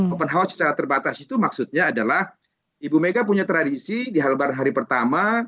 open house secara terbatas itu maksudnya adalah ibu mega punya tradisi di halbar hari pertama